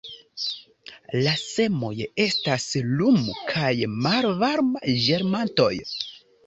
La semoj estas lum- kaj malvarm-ĝermantoj.